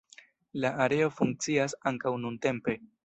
La areo funkcias ankaŭ nuntempe.